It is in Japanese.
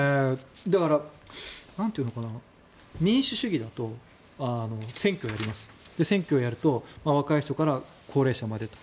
だから、民主主義だと選挙をやります選挙をやると若い人から高齢者までと。